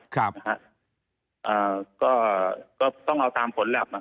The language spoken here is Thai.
ก็ต้องเอาตามผลแร็ป